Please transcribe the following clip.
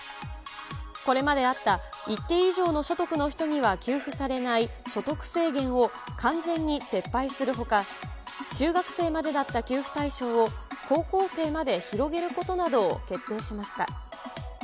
これまであった一定以上の所得の人には給付されない所得制限を完全に撤廃するほか、中学生までだった給付対象を高校生まで広げることなどを決定しました。